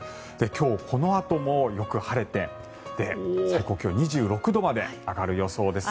今日このあともよく晴れて最高気温２６度まで上がる予想です。